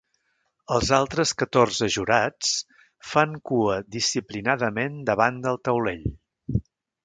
Els altres catorze jurats fan cua disciplinadament davant del taulell.